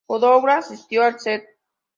Douglas asistió a la St.